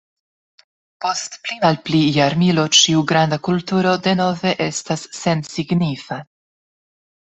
Post pli-malpli jarmilo ĉiu granda kulturo denove estas sensignifa.